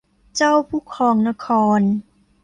เจ้าผู้ครองนคร